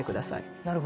なるほど。